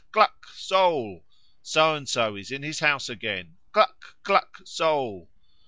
cluck! soul! So and so is in his house again. Cluck! cluck! soul!"